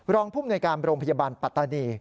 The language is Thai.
รองพุ่มหน่วยการโรงพยาบาลปัตตานี